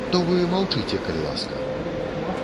То вы маўчыце, калі ласка!